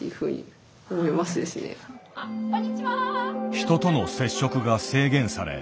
人との接触が制限され